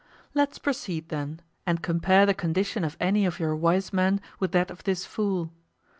Let's proceed then, and compare the condition of any of your wise men with that of this fool.